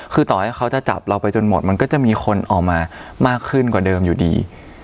คือต่อให้เขาจะจับเราไปจนหมดมันก็จะมีคนออกมามากขึ้นกว่าเดิมอยู่ดี